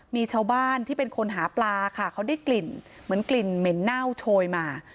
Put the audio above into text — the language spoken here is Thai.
มีชาวบ้านที่เป็นคนหาปลาค่ะเขาได้กลิ่นเหมือนกลิ่นเหม็นเน่าโชยมา